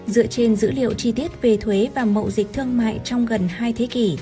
dựa trên dữ liệu chi tiết về thuế và mậu dịch thương mại trong gần hai thế kỷ